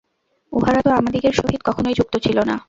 উহারা তো আমাদিগের সহিত কখনই যুক্ত ছিল না।